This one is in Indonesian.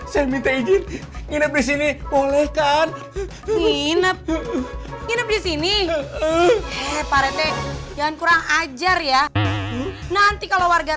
saya minta izin nginep disini boleh kan nginep disini jangan kurang ajar ya nanti kalau warga